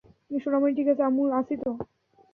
সোনামণি, ঠিক আছে, আম্মু আছি তো।